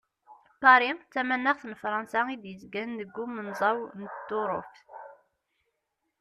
Paris d tamanaxt n Frans i d-yezgan deg umenẓaw n Turuft.